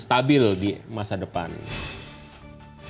kita ini harus percaya kepada hukum